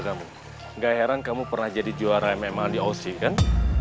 kamu nggak heran kamu pernah jadi juara memang di ossikan